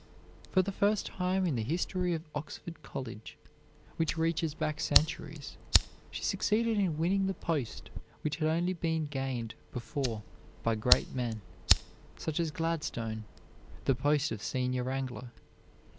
For the first time in the history of Oxford College, which reaches back centuries, she succeeded in winning the post which had only been gained before by great men, such as Gladstone, the post of senior wrangler.